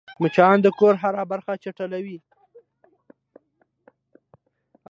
مچان د کور هره برخه چټلوي